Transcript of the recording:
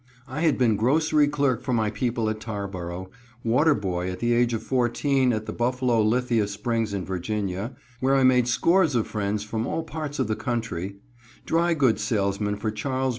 I had been grocery clerk for my people at Tarboro; water boy at the age of 14 at the Buffalo Lithia Springs in Virginia, where I made scores of friends from all parts of the country; drygoods salesman for Chas.